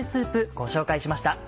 ご紹介しました。